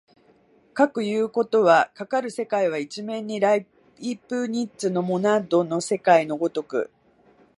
かくいうことは、かかる世界は一面にライプニッツのモナドの世界の如く